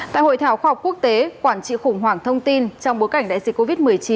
tại hội thảo khoa học quốc tế quản trị khủng hoảng thông tin trong bối cảnh đại dịch covid một mươi chín